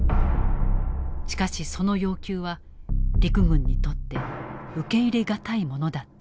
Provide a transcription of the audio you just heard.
しかしその要求は陸軍にとって受け入れ難いものだった。